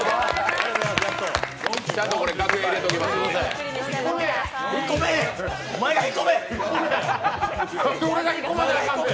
ちゃんと楽屋入れておきますんで。